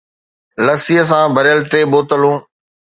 لسي سان ڀريل ٽي بوتلون